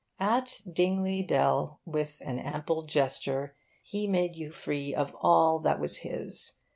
At Dingley Dell, with an ample gesture, he made you free of all that was his.